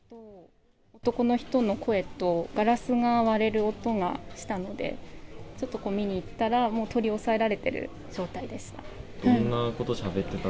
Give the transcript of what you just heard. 男の人の声と、ガラスが割れる音がしたので、ちょっと見に行ったら、もう取り押さえられてる状態でした。